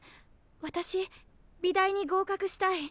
私美大に合格したい。